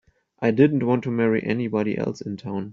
I didn't want to marry anybody else in town.